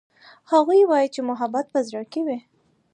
هغوی وایي چې محبت په زړه کې وي